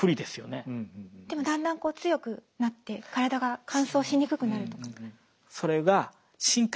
でもだんだんこう強くなって体が乾燥しにくくなるとか。